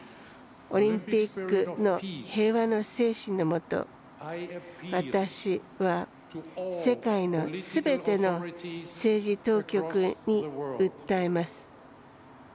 オリンピックの平和の精神のもと私は世界のすべての政治当局に訴えます。